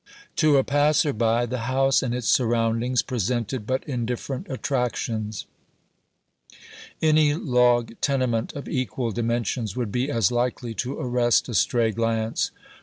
To a passer by, the house and its surroundings presented but indifferent attractions. Any log tenement of equal di mensions would be as likely to arrest a stray glance.